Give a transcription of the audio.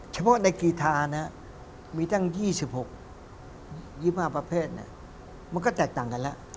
เฉพาะในกีธานะมีตั้ง๒๖๒๕ประเภทมันก็แตกต่างกันแล้ว